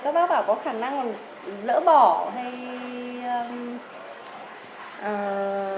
các bác bảo có khả năng là dỡ bỏ hay di dời